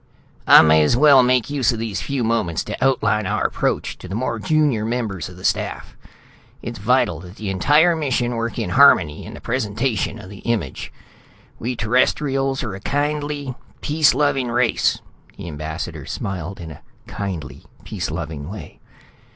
"I may as well make use of these few moments to outline our approach for the more junior members of the staff; it's vital that the entire mission work in harmony in the presentation of the image. We Terrestrials are a kindly, peace loving race." The ambassador smiled in a kindly, peace loving way.